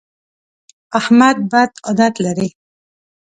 احمد بد عادت لري.